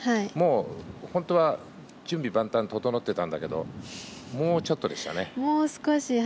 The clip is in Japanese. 本当は準備万端整ってたんだけどもう少しでした。